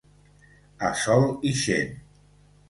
A sol ixent.